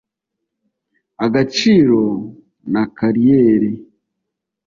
agaciro na kariyeri